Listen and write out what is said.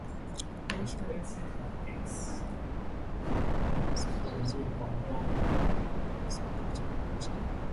Maisha ya Wamasai yanahusiana sana na ngombe ambao huwa msingi wa chakula chao